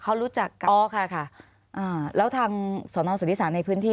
เขารู้จักกับอ๋อค่ะค่ะอ่าแล้วทางสอนอสุทธิศาลในพื้นที่